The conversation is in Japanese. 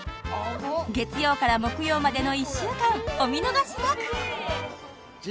月曜から木曜までの１週間お見逃しなく！